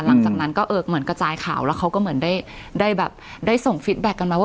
หลังจากนั้นก็เออเหมือนกระจายข่าวแล้วเขาก็เหมือนได้แบบได้ส่งฟิตแบ็คกันมาว่า